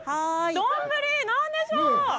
丼、何でしょう？